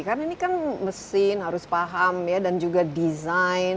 karena ini kan mesin harus paham ya dan juga desain